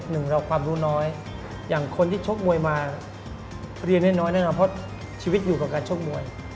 หนึ่งเราความรู้น้อยอย่างคนที่ชกมวยมาเรียนได้น้อยแน่นอนเพราะชีวิตอยู่กับการชกมวย